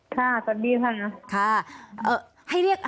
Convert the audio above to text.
ค่ะสวัสดีค่ะ